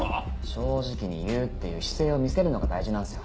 正直に言うっていう姿勢を見せるのが大事なんすよ。